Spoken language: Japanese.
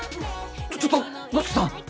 ちょっと五色さん！